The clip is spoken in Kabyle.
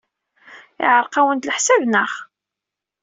Yeɛreq-awent leḥsab, naɣ?